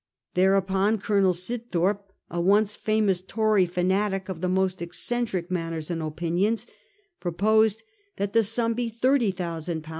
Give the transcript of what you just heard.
Thereupon Colonel Sibthorp, a once famous Tory fanatic of the most eccentric manners and opinions, proposed that the sum be 152 A HISTORY OF OUR OWN TIMES. CK.